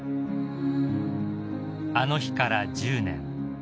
［あの日から１０年］